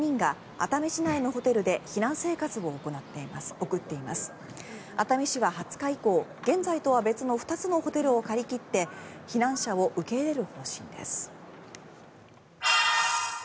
熱海市は２０日以降現在とは別の２つのホテルを借り切って避難者を受け入れる方針です。